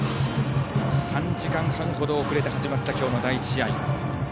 ３時間半ほど遅れて始まった今日の第１試合。